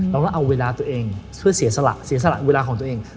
เราต้องเอาเวลาตัวเองเพื่อเสียสละเวลาของตัวเอง